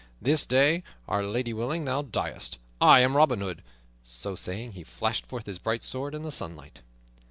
This day, Our Lady willing, thou diest I am Robin Hood." So saying, he flashed forth his bright sword in the sunlight.